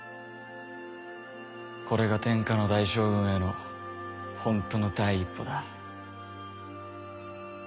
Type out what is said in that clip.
これが天下の大将軍へのホントの第一歩だ。